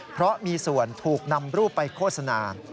เพราะมีส่วนถูกนำรูปไปโฆษณา